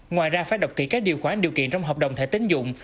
ngoài ra phải đọc kỹ các điều khoản điều kiện trong hợp đồng thẻ tính dụng